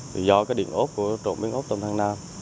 thì do cái điện ốp của trộm biến ốp tam thăng nam